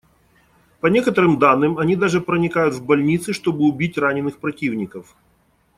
По некоторым данным, они даже проникают в больницы, чтобы убить раненых противников.